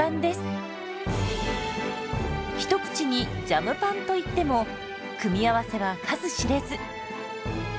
一口に「ジャムパン」といっても組み合わせは数知れず。